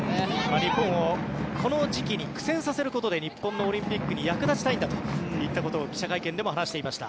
日本をこの時期に苦戦させることで日本のオリンピックに役立ちたいんだということを記者会見でも話していました。